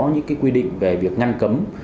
những quy định về việc ngăn cấm